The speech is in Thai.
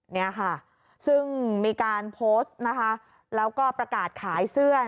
เนี่ยค่ะซึ่งมีการโพสต์นะคะแล้วก็ประกาศขายเสื้อ